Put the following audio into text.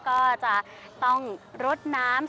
ก็จะต้องรดน้ำ